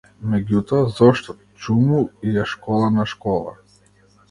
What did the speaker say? Меѓутоа зошто, чуму ѝ е школа на школа?